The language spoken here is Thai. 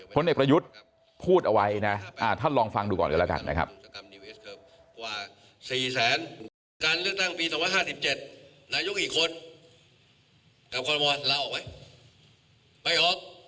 พลเอกประยุทธ์พูดเอาไว้นะท่านลองฟังดูก่อนกันแล้วกันนะครับ